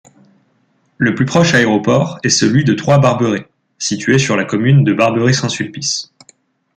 Le plus proche aéroport est celui de Troyes-Barberey situé sur la commune de Barberey-Saint-Sulpice.